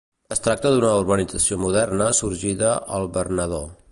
Es tracta d'una urbanització moderna sorgida al Bernadó.